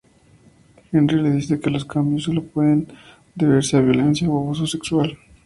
Henry le dice que los cambios sólo pueden deberse a violencia o abuso sexual.